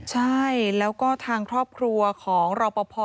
ใช่แล้วก็ทางครอบครัวของรอปภ